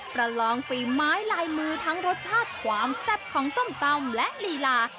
ประลองฝีไม้ลายมือทั้งรสชาติความแซ่บของส้มตำและลีลา